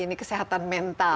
ini kesehatan mental